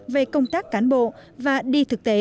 về công tác cán bộ và đi thực tế